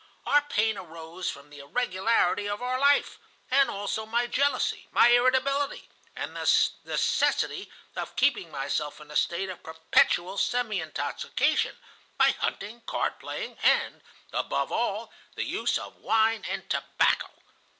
Our pain arose from the irregularity of our life, and also my jealousy, my irritability, and the necessity of keeping myself in a state of perpetual semi intoxication by hunting, card playing, and, above all, the use of wine and tobacco.